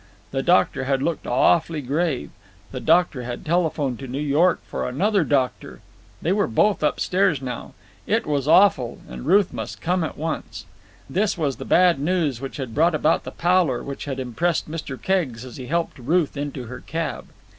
The doctor had looked awfully grave. The doctor had telephoned to New York for another doctor. They were both upstairs now. It was awful, and Ruth must come at once. This was the bad news which had brought about the pallor which had impressed Mr. Keggs as he helped Ruth into her cab.